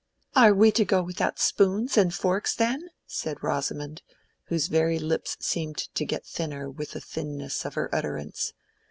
"Are we to go without spoons and forks then?" said Rosamond, whose very lips seemed to get thinner with the thinness of her utterance.